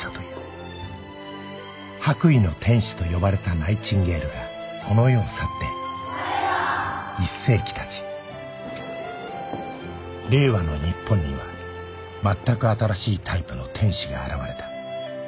「白衣の天使」と呼ばれたナイチンゲールがこの世を去って１世紀経ち令和の日本にはまったく新しいタイプの天使が現れた